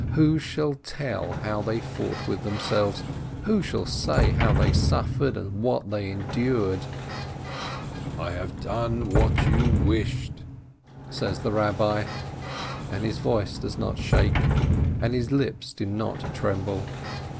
Who shall tell how they fought with themselves, who shall say how they suffered, and what they endured? "I have done what you wished," says the Rabbi, and his voice does not shake, and his lips do not tremble.